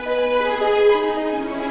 kenapa nahwang si tidak bergerak bopo